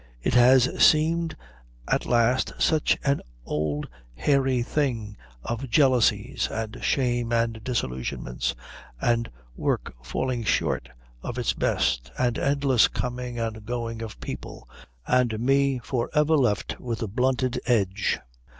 "It has seemed at last such an old hairy thing of jealousies and shame and disillusionments, and work falling short of its best, and endless coming and going of people, and me for ever left with a blunted edge.